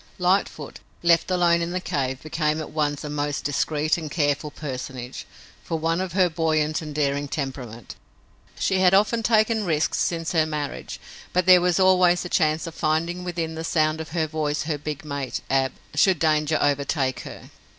Lightfoot, left alone in the cave, became at once a most discreet and careful personage, for one of her buoyant and daring temperament. She had often taken risks since her marriage, but there was always the chance of finding within the sound of her voice her big mate, Ab, should danger overtake her.